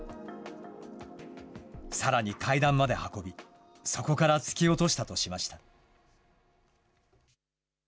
さらに階段まで運び、そこから突き落としたとしました。